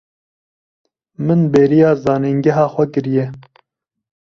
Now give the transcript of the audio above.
Min bêriya zanîngeha xwe kiriye.